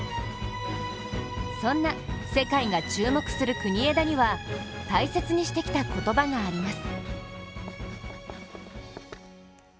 そんな世界が注目する国枝には大切にしてきた言葉があります。